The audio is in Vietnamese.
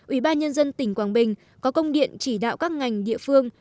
ủy ban nhân dân tỉnh quảng bình có công điện chỉ đạo các ngành địa phương